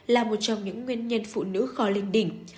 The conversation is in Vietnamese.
là một trong những nguyên nhân phụ nữ kho linh đỉnh